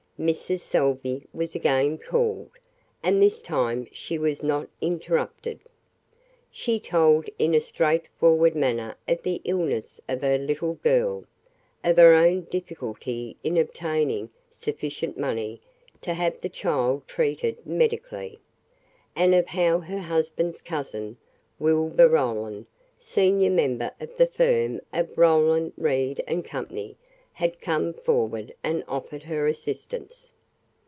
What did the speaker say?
Mrs. Salvey was again called, and this time she was not interrupted. She told in a straight forward manner of the illness of her little girl, of her own difficulty in obtaining sufficient money to have the child treated medically, and of how her husband's cousin, Wilbur Roland, senior member of the firm of Roland, Reed & Company, had come forward and offered her assistance.